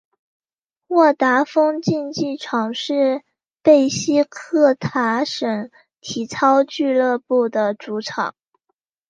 沃达丰竞技场是贝西克塔什体操俱乐部的主场。